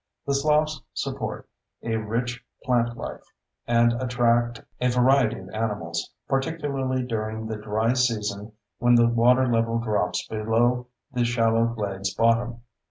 The sloughs support a rich plantlife and attract a variety of animals, particularly during the dry season when the water level drops below the shallow glades bottom.